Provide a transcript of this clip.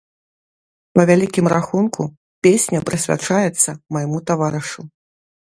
Па вялікім рахунку, песня прысвячаецца майму таварышу.